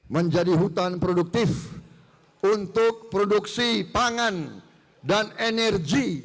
menjadi hutan produktif untuk produksi pangan dan energi